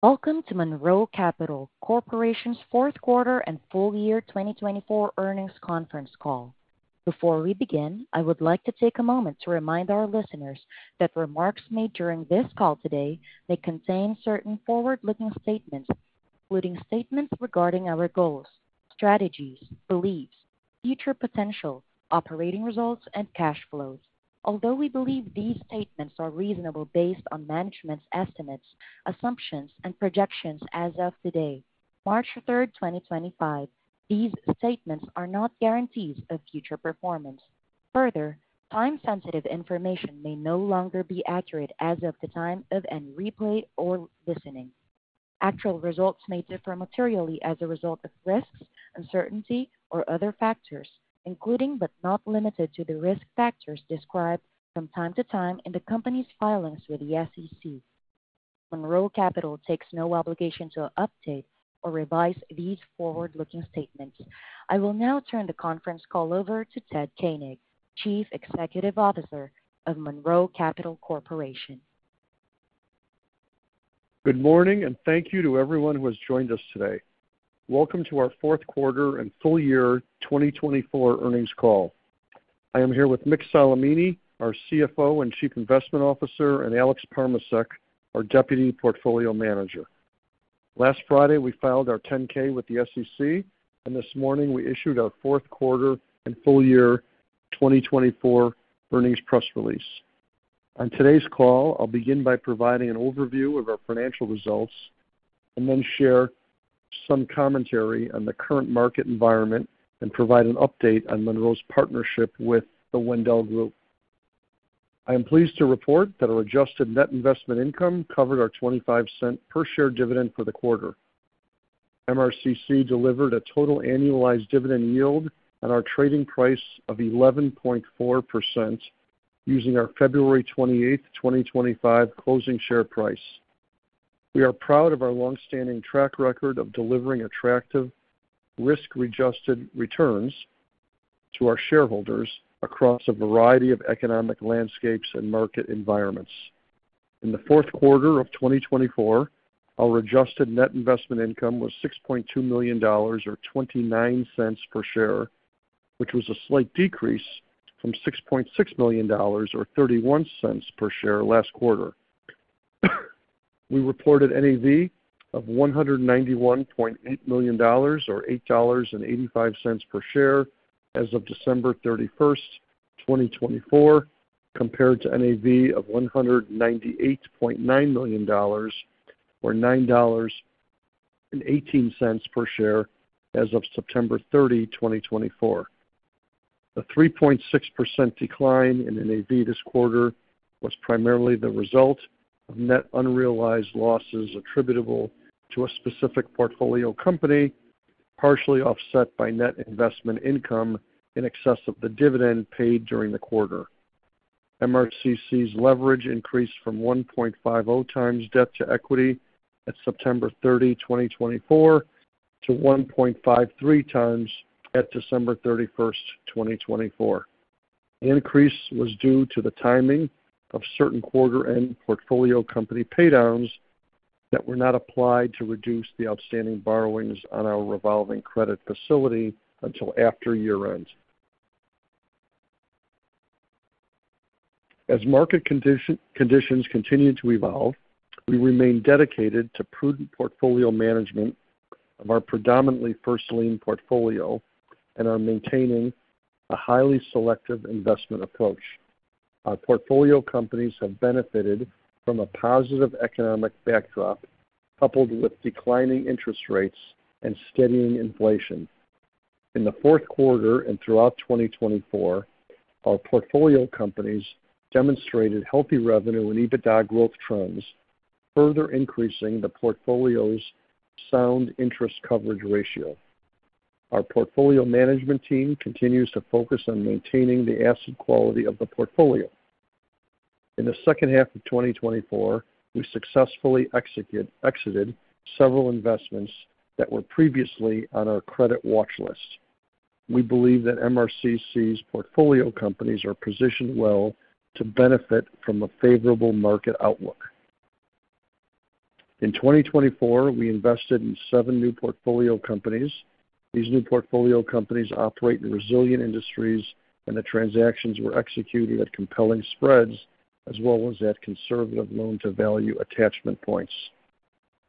Welcome to Monroe Capital Corporation's Fourth Quarter and Full Year 2024 Earnings Conference Call. Before we begin, I would like to take a moment to remind our listeners that remarks made during this call today may contain certain forward-looking statements, including statements regarding our goals, strategies, beliefs, future potential, operating results, and cash flows. Although we believe these statements are reasonable based on management's estimates, assumptions, and projections as of today, March 3rd, 2025, these statements are not guarantees of future performance. Further, time-sensitive information may no longer be accurate as of the time of any replay or listening. Actual results may differ materially as a result of risks, uncertainty, or other factors, including but not limited to the risk factors described from time to time in the company's filings with the SEC. Monroe Capital takes no obligation to update or revise these forward-looking statements. I will now turn the conference call over to Ted Koenig, Chief Executive Officer of Monroe Capital Corporation. Good morning, and thank you to everyone who has joined us today. Welcome to our fourth quarter and full year 2024 earnings call. I am here with Mick Solimene, our CFO and Chief Investment Officer, and Alex Parmacek, our Deputy Portfolio Manager. Last Friday, we filed our 10-K with the SEC, and this morning we issued our fourth quarter and full year 2024 earnings press release. On today's call, I'll begin by providing an overview of our financial results and then share some commentary on the current market environment and provide an update on Monroe's partnership with the Wendel Group. I am pleased to report that our Adjusted Net Investment Income covered our $0.25 per share dividend for the quarter. MRCC delivered a total annualized dividend yield at our trading price of 11.4% using our February 28, 2025, closing share price. We are proud of our long-standing track record of delivering attractive, risk-adjusted returns to our shareholders across a variety of economic landscapes and market environments. In the fourth quarter of 2024, our Adjusted Net Investment Income was $6.2 million or $0.29 per share, which was a slight decrease from $6.6 million or $0.31 per share last quarter. We reported NAV of $191.8 million or $8.85 per share as of December 31st, 2024, compared to NAV of $198.9 million or $9.18 per share as of September 30, 2024. A 3.6% decline in NAV this quarter was primarily the result of net unrealized losses attributable to a specific portfolio company, partially offset by net investment income in excess of the dividend paid during the quarter. MRCC's leverage increased from 1.50x debt to equity at September 30, 2024, to 1.53x at December 31st, 2024. The increase was due to the timing of certain quarter-end portfolio company paydowns that were not applied to reduce the outstanding borrowings on our revolving credit facility until after year-end. As market conditions continue to evolve, we remain dedicated to prudent portfolio management of our predominantly first-lien portfolio and are maintaining a highly selective investment approach. Our portfolio companies have benefited from a positive economic backdrop coupled with declining interest rates and steadying inflation. In the fourth quarter and throughout 2024, our portfolio companies demonstrated healthy revenue and EBITDA growth trends, further increasing the portfolio's sound interest coverage ratio. Our portfolio management team continues to focus on maintaining the asset quality of the portfolio. In the second half of 2024, we successfully exited several investments that were previously on our credit watch list. We believe that MRCC's portfolio companies are positioned well to benefit from a favorable market outlook. In 2024, we invested in seven new portfolio companies. These new portfolio companies operate in resilient industries, and the transactions were executed at compelling spreads as well as at conservative loan-to-value attachment points.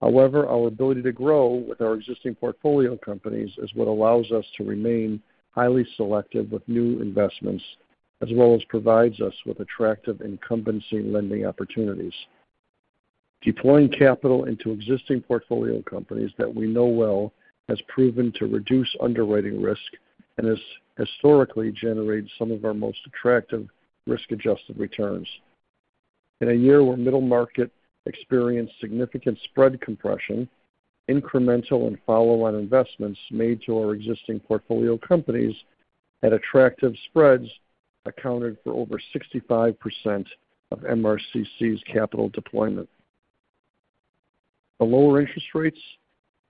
However, our ability to grow with our existing portfolio companies is what allows us to remain highly selective with new investments, as well as provides us with attractive incumbency lending opportunities. Deploying capital into existing portfolio companies that we know well has proven to reduce underwriting risk and has historically generated some of our most attractive risk-adjusted returns. In a year where middle market experienced significant spread compression, incremental and follow-on investments made to our existing portfolio companies at attractive spreads accounted for over 65% of MRCC's capital deployment. The lower interest rates,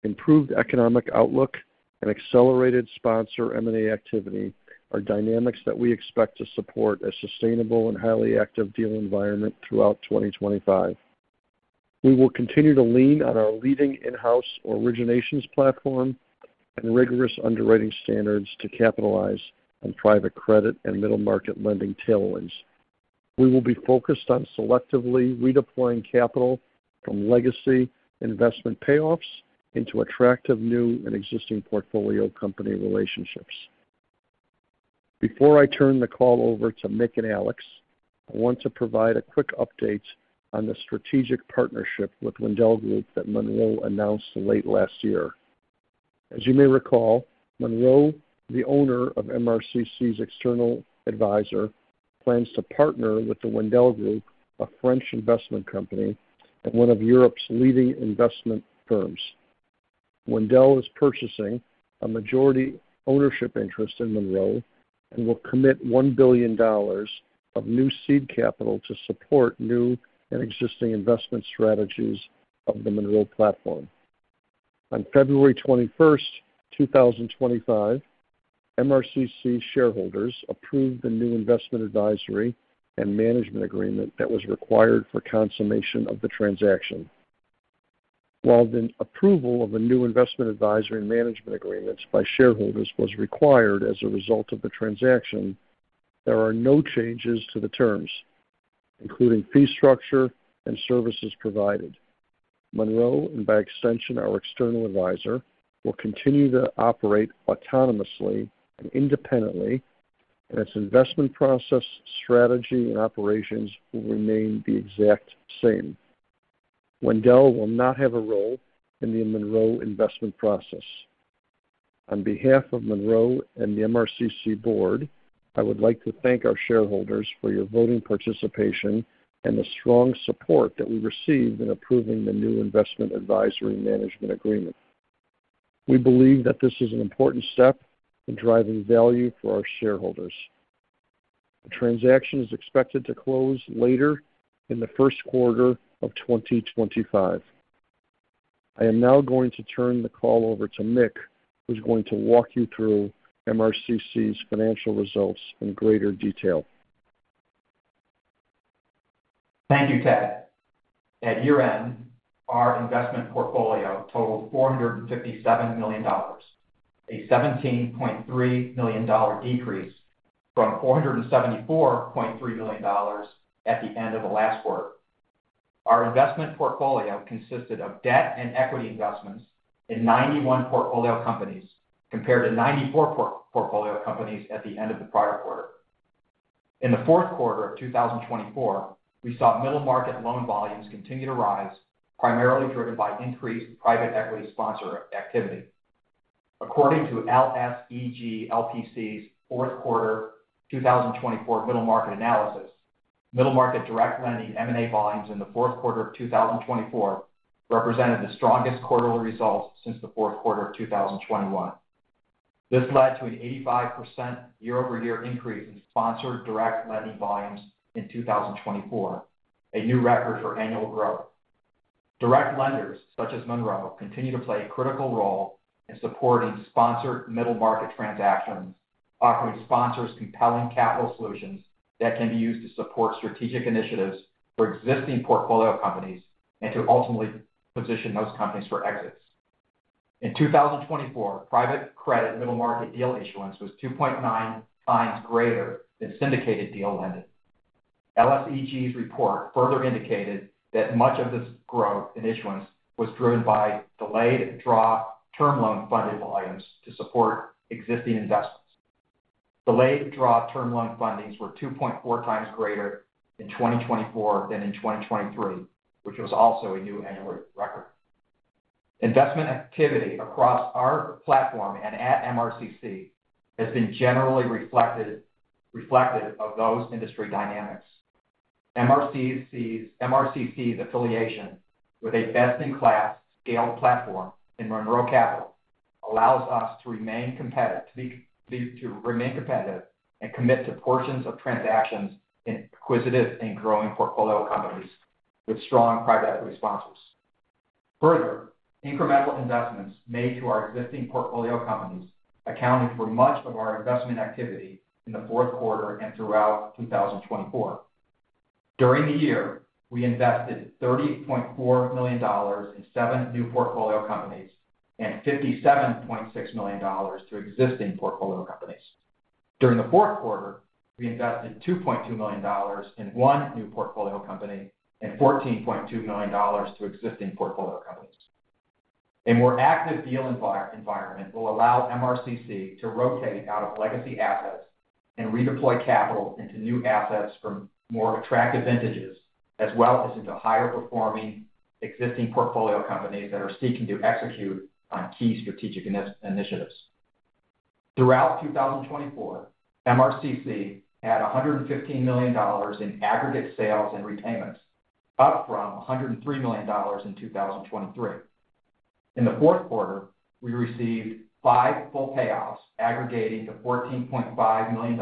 improved economic outlook, and accelerated sponsor M&A activity are dynamics that we expect to support a sustainable and highly active deal environment throughout 2025. We will continue to lean on our leading in-house originations platform and rigorous underwriting standards to capitalize on private credit and middle market lending tailwinds. We will be focused on selectively redeploying capital from legacy investment payoffs into attractive new and existing portfolio company relationships. Before I turn the call over to Mick and Alex, I want to provide a quick update on the strategic partnership with Wendel Group that Monroe announced late last year. As you may recall, Monroe, the owner of MRCC's external advisor, plans to partner with the Wendel Group, a French investment company and one of Europe's leading investment firms. Wendel is purchasing a majority ownership interest in Monroe and will commit $1 billion of new seed capital to support new and existing investment strategies of the Monroe platform. On February 21st, 2025, MRCC shareholders approved the new investment advisory and management agreement that was required for consummation of the transaction. While the approval of a new investment advisory and management agreement by shareholders was required as a result of the transaction, there are no changes to the terms, including fee structure and services provided. Monroe, and by extension our external advisor, will continue to operate autonomously and independently, and its investment process, strategy, and operations will remain the exact same. Wendel will not have a role in the Monroe investment process. On behalf of Monroe and the MRCC board, I would like to thank our shareholders for your voting participation and the strong support that we received in approving the new investment advisory and management agreement. We believe that this is an important step in driving value for our shareholders. The transaction is expected to close later in the first quarter of 2025. I am now going to turn the call over to Mick, who's going to walk you through MRCC's financial results in greater detail. Thank you, Ted. At year-end, our investment portfolio totaled $457 million, a $17.3 million decrease from $474.3 million at the end of the last quarter. Our investment portfolio consisted of debt and equity investments in 91 portfolio companies compared to 94 portfolio companies at the end of the prior quarter. In the fourth quarter of 2024, we saw middle market loan volumes continue to rise, primarily driven by increased private equity sponsor activity. According to LSEG LPC's fourth quarter 2024 middle market analysis, middle market direct lending M&A volumes in the fourth quarter of 2024 represented the strongest quarterly results since the fourth quarter of 2021. This led to an 85% year-over-year increase in sponsored direct lending volumes in 2024, a new record for annual growth. Direct lenders such as Monroe continue to play a critical role in supporting sponsored middle market transactions, offering sponsors compelling capital solutions that can be used to support strategic initiatives for existing portfolio companies and to ultimately position those companies for exits. In 2024, private credit middle market deal issuance was 2.9x greater than syndicated deal lending. LSEG's report further indicated that much of this growth in issuance was driven by delayed draw term loan funding volumes to support existing investments. Delayed draw term loan fundings were 2.4x greater in 2024 than in 2023, which was also a new annual record. Investment activity across our platform and at MRCC has been generally reflective of those industry dynamics. MRCC's affiliation with a best-in-class scaled platform in Monroe Capital allows us to remain competitive and commit to portions of transactions in acquisitive and growing portfolio companies with strong private equity sponsors. Further, incremental investments made to our existing portfolio companies accounted for much of our investment activity in the fourth quarter and throughout 2024. During the year, we invested $30.4 million in seven new portfolio companies and $57.6 million through existing portfolio companies. During the fourth quarter, we invested $2.2 million in one new portfolio company and $14.2 million through existing portfolio companies. A more active deal environment will allow MRCC to rotate out of legacy assets and redeploy capital into new assets for more attractive vintages, as well as into higher-performing existing portfolio companies that are seeking to execute on key strategic initiatives. Throughout 2024, MRCC had $115 million in aggregate sales and repayments, up from $103 million in 2023. In the fourth quarter, we received five full payoffs aggregating to $14.5 million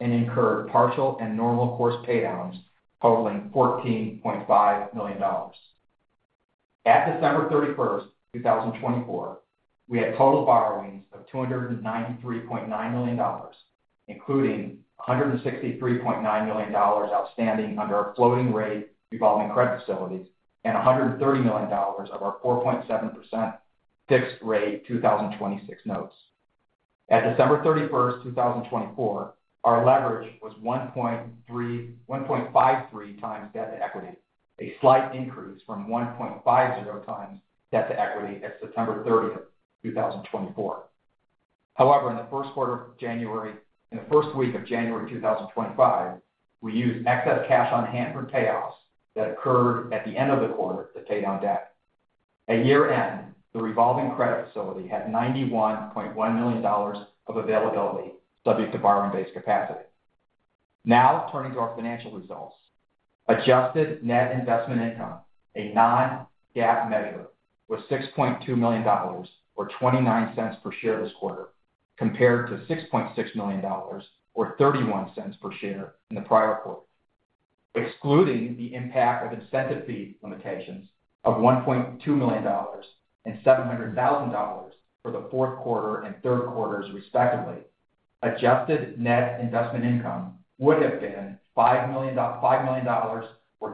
and incurred partial and normal course paydowns totaling $14.5 million. At December 31st, 2024, we had total borrowings of $293.9 million, including $163.9 million outstanding under our floating rate revolving credit facilities and $130 million of our 4.7% fixed rate 2026 notes. At December 31st, 2024, our leverage was 1.53x debt to equity, a slight increase from 1.50 x debt to equity at September 30, 2024. However, in the first week of January 2025, we used excess cash on hand for payoffs that occurred at the end of the quarter to pay down debt. At year-end, the revolving credit facility had $91.1 million of availability subject to borrowing base capacity. Now, turning to our financial results, Adjusted Net Investment Income, a non-GAAP measure, was $6.2 million or $0.29 per share this quarter, compared to $6.6 million or $0.31 per share in the prior quarter. Excluding the impact of incentive fee limitations of $1.2 million and $700,000 for the fourth quarter and third quarters, respectively, Adjusted Net Investment Income would have been $5 million or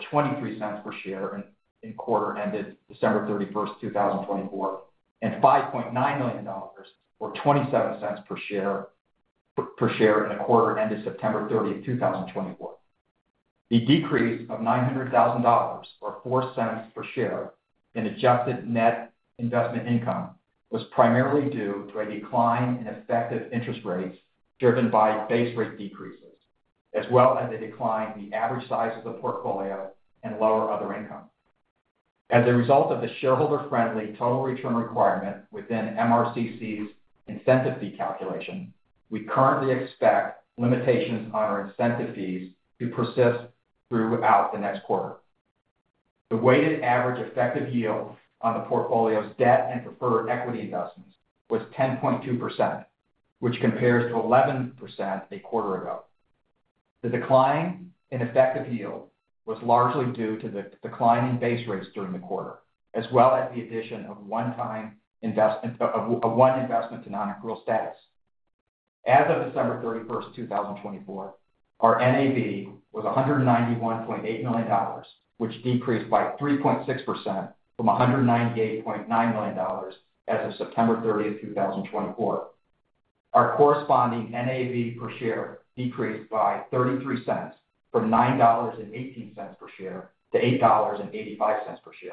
$0.23 per share in quarter-ended December 31, 2024, and $5.9 million or $0.27 per share in quarter-ended September 30, 2024. The decrease of $900,000 or $0.04 per share in Adjusted Net Investment Income was primarily due to a decline in effective interest rates driven by base rate decreases, as well as a decline in the average size of the portfolio and lower other income. As a result of the shareholder-friendly total return requirement within MRCC's incentive fee calculation, we currently expect limitations on our incentive fees to persist throughout the next quarter. The weighted average effective yield on the portfolio's debt and preferred equity investments was 10.2%, which compares to 11% a quarter ago. The decline in effective yield was largely due to the declining base rates during the quarter, as well as the addition of one investment to non-accrual status. As of December 31st, 2024, our NAV was $191.8 million, which decreased by 3.6% from $198.9 million as of September 30, 2024. Our corresponding NAV per share decreased by $0.33 from $9.18 per share to $8.85 per share.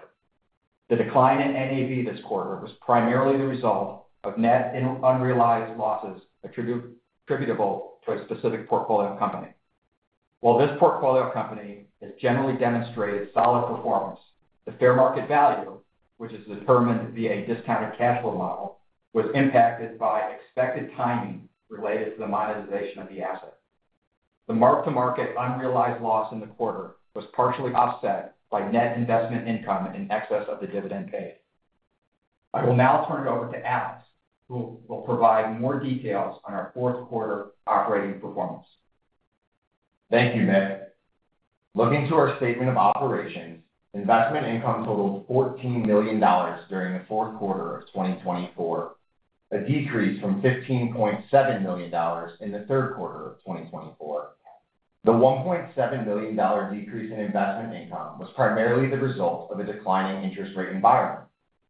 The decline in NAV this quarter was primarily the result of net unrealized losses attributable to a specific portfolio company. While this portfolio company has generally demonstrated solid performance, the fair market value, which is determined via a discounted cash flow model, was impacted by expected timing related to the monetization of the asset. The mark-to-market unrealized loss in the quarter was partially offset by net investment income in excess of the dividend paid. I will now turn it over to Alex, who will provide more details on our fourth quarter operating performance. Thank you, Mick. Looking to our statement of operations, investment income totaled $14 million during the fourth quarter of 2024, a decrease from $15.7 million in the third quarter of 2024. The $1.7 million decrease in investment income was primarily the result of a declining interest rate environment,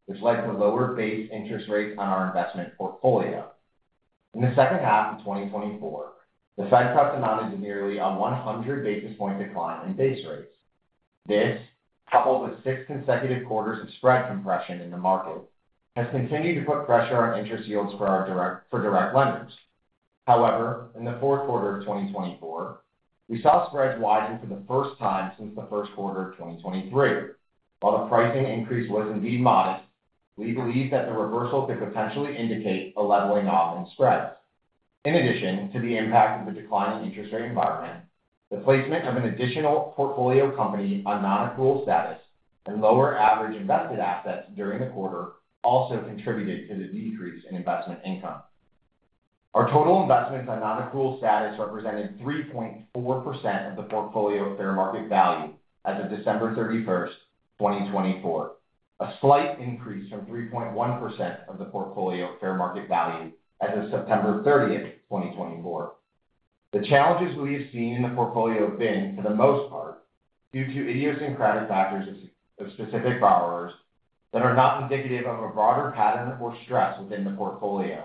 which led to lower base interest rates on our investment portfolio. In the second half of 2024, the Fed cuts amounted to nearly a 100 basis point decline in base rates. This, coupled with six consecutive quarters of spread compression in the market, has continued to put pressure on interest yields for direct lenders. However, in the fourth quarter of 2024, we saw spreads widen for the first time since the first quarter of 2023. While the pricing increase was indeed modest, we believe that the reversal could potentially indicate a leveling off in spreads. In addition to the impact of the declining interest rate environment, the placement of an additional portfolio company on non-accrual status and lower average invested assets during the quarter also contributed to the decrease in investment income. Our total investments on non-accrual status represented 3.4% of the portfolio fair market value as of December 31st, 2024, a slight increase from 3.1% of the portfolio fair market value as of September 30th, 2024. The challenges we have seen in the portfolio have been, for the most part, due to idiosyncratic factors of specific borrowers that are not indicative of a broader pattern or stress within the portfolio.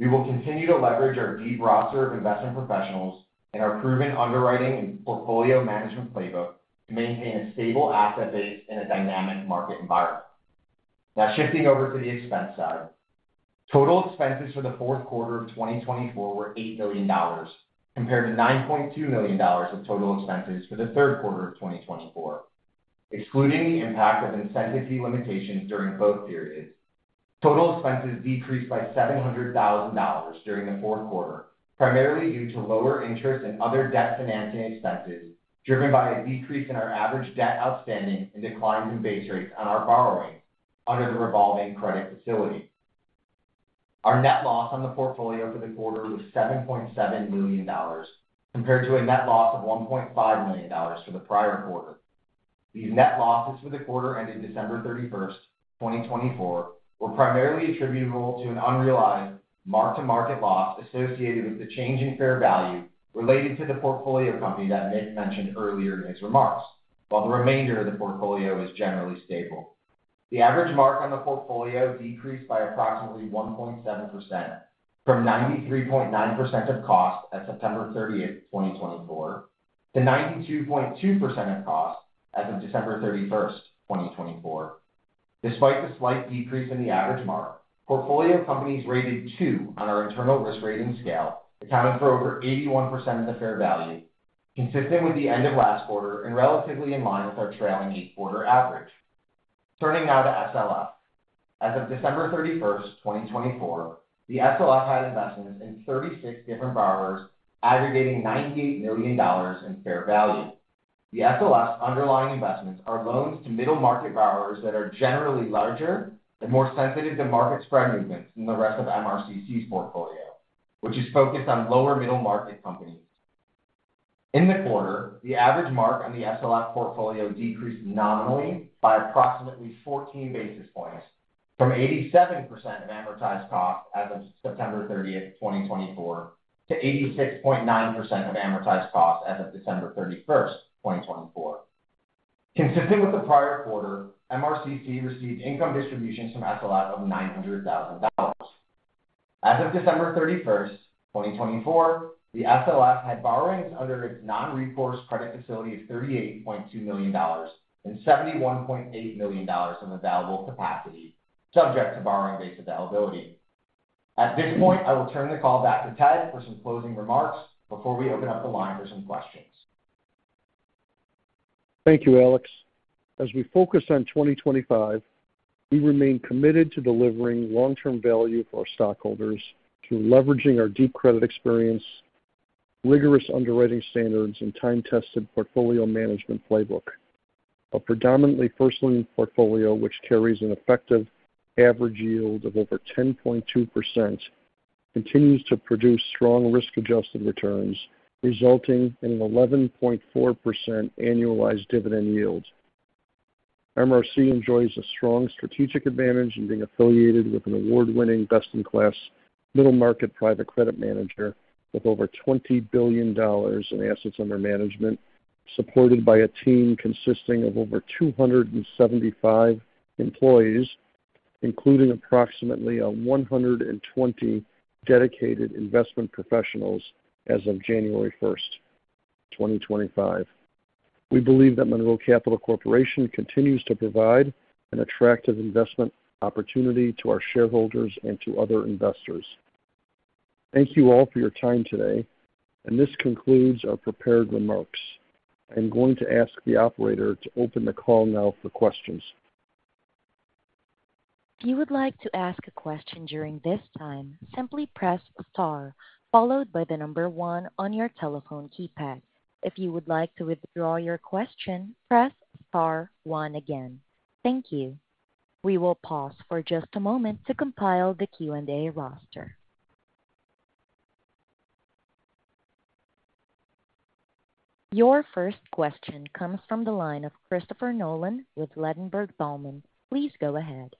We will continue to leverage our deep roster of investment professionals and our proven underwriting and portfolio management playbook to maintain a stable asset base in a dynamic market environment. Now, shifting over to the expense side, total expenses for the fourth quarter of 2024 were $8 million, compared to $9.2 million of total expenses for the third quarter of 2024, excluding the impact of incentive fee limitations during both periods. Total expenses decreased by $700,000 during the fourth quarter, primarily due to lower interest and other debt financing expenses driven by a decrease in our average debt outstanding and declines in base rates on our borrowing under the revolving credit facility. Our net loss on the portfolio for the quarter was $7.7 million, compared to a net loss of $1.5 million for the prior quarter. These net losses for the quarter-ended December 31st, 2024, were primarily attributable to an unrealized mark-to-market loss associated with the change in fair value related to the portfolio company that Mick mentioned earlier in his remarks, while the remainder of the portfolio is generally stable. The average mark on the portfolio decreased by approximately 1.7% from 93.9% of cost at September 30th, 2024, to 92.2% of cost as of December 31st, 2024. Despite the slight decrease in the average mark, portfolio companies rated 2 on our internal risk rating scale, accounting for over 81% of the fair value, consistent with the end of last quarter and relatively in line with our trailing eighth quarter average. Turning now to SLF. As of December 31st, 2024, the SLF had investments in 36 different borrowers aggregating $98 million in fair value. The SLF's underlying investments are loans to middle market borrowers that are generally larger and more sensitive to market spread movements than the rest of MRCC's portfolio, which is focused on lower middle market companies. In the quarter, the average mark on the SLF portfolio decreased nominally by approximately 14 basis points from 87% of amortized cost as of September 30th, 2024, to 86.9% of amortized cost as of December 31st, 2024. Consistent with the prior quarter, MRCC received income distributions from SLF of $900,000. As of December 31st, 2024, the SLF had borrowings under its non-recourse credit facility of $38.2 million and $71.8 million of available capacity, subject to borrowing base availability. At this point, I will turn the call back to Ted for some closing remarks before we open up the line for some questions. Thank you, Alex. As we focus on 2025, we remain committed to delivering long-term value for our stockholders through leveraging our deep credit experience, rigorous underwriting standards, and time-tested portfolio management playbook. A predominantly first-lien portfolio, which carries an effective average yield of over 10.2%, continues to produce strong risk-adjusted returns, resulting in an 11.4% annualized dividend yield. MRC enjoys a strong strategic advantage in being affiliated with an award-winning best-in-class middle market private credit manager with over $20 billion in assets under management, supported by a team consisting of over 275 employees, including approximately 120 dedicated investment professionals as of January 1st, 2025. We believe that Monroe Capital Corporation continues to provide an attractive investment opportunity to our shareholders and to other investors. Thank you all for your time today. This concludes our prepared remarks. I am going to ask the operator to open the call now for questions. If you would like to ask a question during this time, simply press star, followed by the number one on your telephone keypad. If you would like to withdraw your question, press star one again. Thank you. We will pause for just a moment to compile the Q&A roster. Your first question comes from the line of Christopher Nolan with Ladenburg Thalmann. Please go ahead.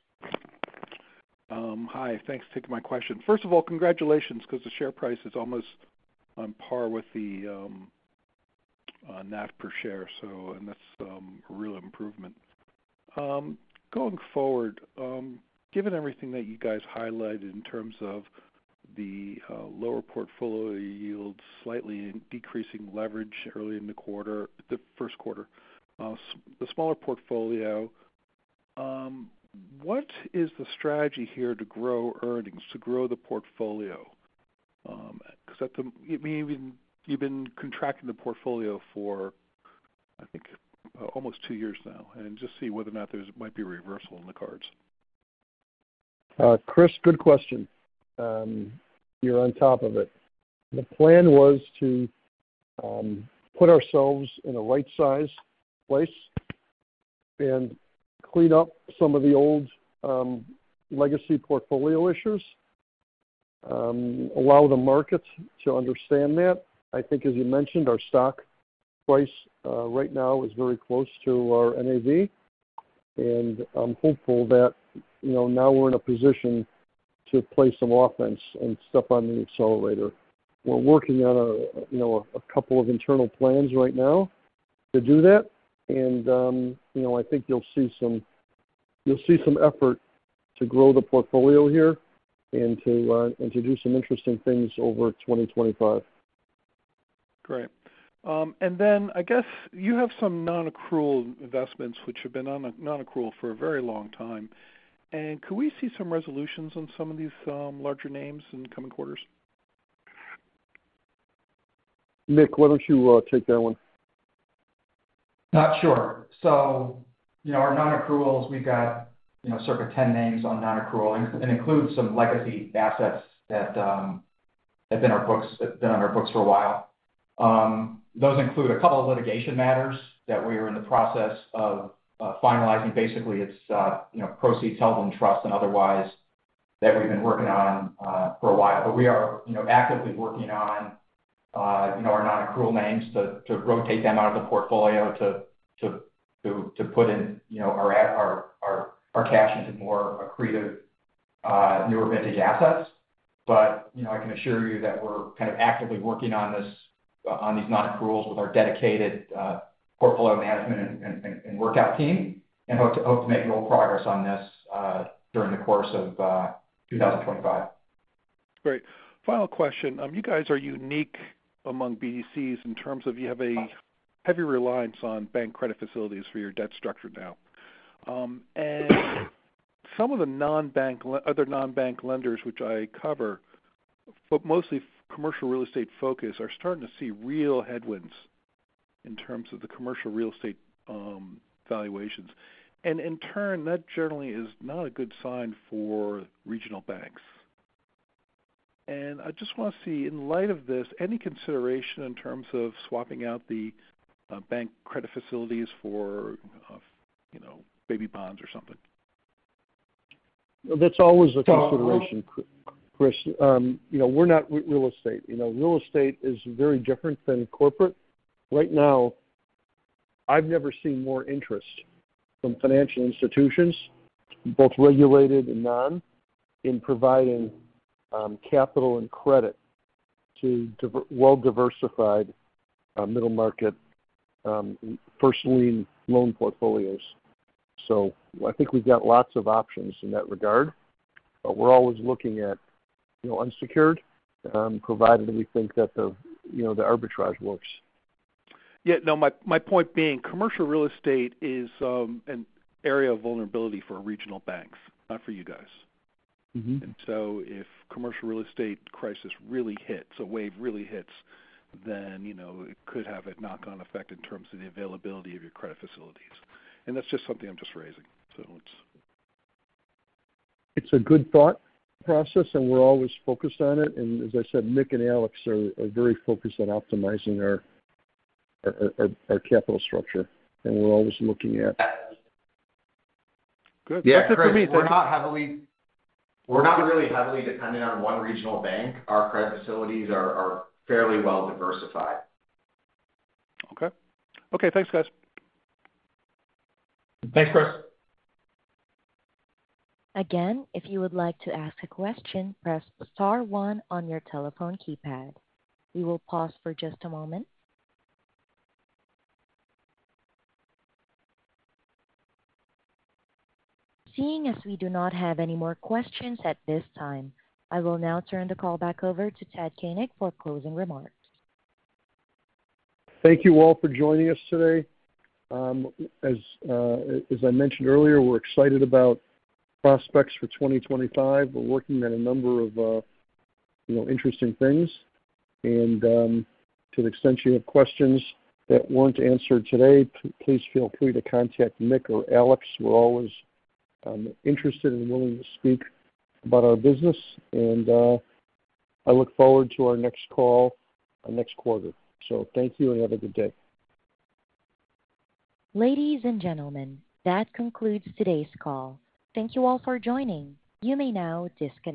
Hi. Thanks for taking my question. First of all, congratulations because the share price is almost on par with the NAV per share. That's a real improvement. Going forward, given everything that you guys highlighted in terms of the lower portfolio yield, slightly decreasing leverage early in the quarter, the first quarter, the smaller portfolio, what is the strategy here to grow earnings, to grow the portfolio? Because you've been contracting the portfolio for, I think, almost two years now. Just see whether or not there might be a reversal in the cards. Chris, good question. You're on top of it. The plan was to put ourselves in a right-sized place and clean up some of the old legacy portfolio issues, allow the market to understand that. I think, as you mentioned, our stock price right now is very close to our NAV. I'm hopeful that now we're in a position to play some offense and step on the accelerator. We're working on a couple of internal plans right now to do that. I think you'll see some effort to grow the portfolio here and to do some interesting things over 2025. Great. I guess you have some non-accrual investments, which have been non-accrual for a very long time. Could we see some resolutions on some of these larger names in coming quarters? Mick, why don't you take that one? Not sure. Our non-accruals, we've got circa 10 names on non-accrual. It includes some legacy assets that have been on our books for a while. Those include a couple of litigation matters that we are in the process of finalizing, basically. It's proceeds held in trust and otherwise that we've been working on for a while. We are actively working on our non-accrual names to rotate them out of the portfolio to put our cash into more accretive, newer vintage assets. I can assure you that we're kind of actively working on these non-accruals with our dedicated portfolio management and workout team and hope to make real progress on this during the course of 2025. Great. Final question. You guys are unique among BDCs in terms of you have a heavy reliance on bank credit facilities for your debt structure now. Some of the other non-bank lenders, which I cover, but mostly commercial real estate focus, are starting to see real headwinds in terms of the commercial real estate valuations. In turn, that generally is not a good sign for regional banks. I just want to see, in light of this, any consideration in terms of swapping out the bank credit facilities for baby bonds or something? That's always a consideration, Chris. We're not real estate. Real estate is very different than corporate. Right now, I've never seen more interest from financial institutions, both regulated and non, in providing capital and credit to well-diversified middle market first-lien loan portfolios. I think we've got lots of options in that regard. We're always looking at unsecured, provided we think that the arbitrage works. Yeah. No, my point being, commercial real estate is an area of vulnerability for regional banks, not for you guys. If commercial real estate crisis really hits, a wave really hits, then it could have a knock-on effect in terms of the availability of your credit facilities. That's just something I'm just raising. It's. It's a good thought process, and we're always focused on it. As I said, Mick and Alex are very focused on optimizing our capital structure. We're always looking at. Good. That's it for me. Yeah. We're not really heavily dependent on one regional bank. Our credit facilities are fairly well-diversified. Okay. Okay. Thanks, guys. Thanks, Chris. Again, if you would like to ask a question, press star one on your telephone keypad. We will pause for just a moment. Seeing as we do not have any more questions at this time, I will now turn the call back over to Ted Koenig for closing remarks. Thank you all for joining us today. As I mentioned earlier, we're excited about prospects for 2025. We're working on a number of interesting things. To the extent you have questions that weren't answered today, please feel free to contact Mick or Alex. We're always interested and willing to speak about our business. I look forward to our next call next quarter. Thank you, and have a good day. Ladies and gentlemen, that concludes today's call. Thank you all for joining. You may now disconnect.